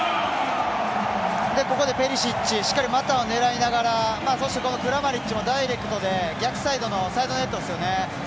ここでペリシッチしっかり股を狙いながらそして、クラマリッチもダイレクトで逆サイドのサイドネットですよね。